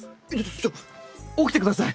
ちょっと起きて下さい。